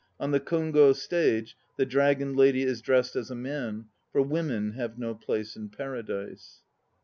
On the Kongo stage the Dragon Lady is dressed as a man; for women have no place in Paradise.